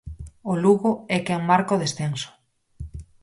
O Lugo é quen marca o descenso.